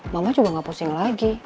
mama juga gak pusing lagi